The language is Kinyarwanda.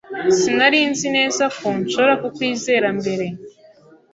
Sinari nzi neza ko nshobora kukwizera mbere.